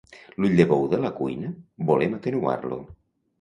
L'ull de bou de la cuina, volem atenuar-lo.